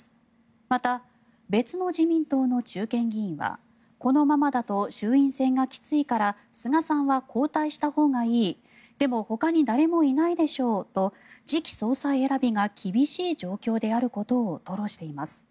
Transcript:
また、別の自民党の中堅議員はこのままだと衆院選がきついから菅さんは交代したほうがいいでもほかに誰もいないでしょうと次期総裁選びが厳しい状況であることを吐露しています。